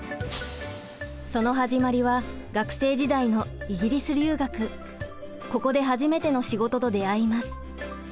その始まりは学生時代のここで初めての仕事と出会います。